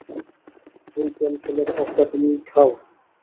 ওই তেল ফ্যালের ওকড়া তুমিই খাও!